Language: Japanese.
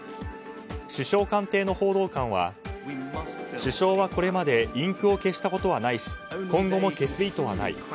首相官邸の報道官は首相はこれまでインクを消したことはないし今後も消す意図はない。